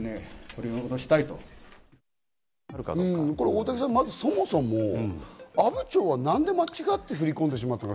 大竹さん、これはまず、そもそも阿武町はなんで間違って振り込んでしまったか。